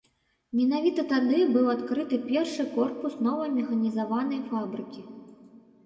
Менавіта тады быў адкрыты першы корпус новай механізаванай фабрыкі.